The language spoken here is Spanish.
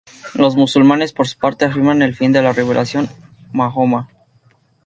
Los musulmanes, por su parte, afirman el fin de la revelación de Mahoma.